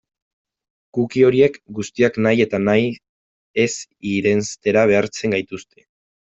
Cookie horiek guztiak nahi eta nahi ez irenstera behartzen gaituzte.